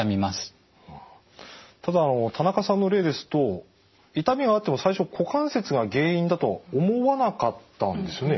ただ田中さんの例ですと痛みはあっても最初股関節が原因だとは思わなかったんですよね。